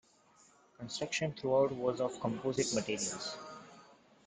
Construction throughout was of composite materials.